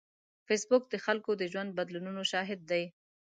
فېسبوک د خلکو د ژوند بدلونونو شاهد دی